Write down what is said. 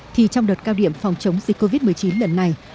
thì trong đợt cao điểm phòng chống dịch covid một mươi chín lần này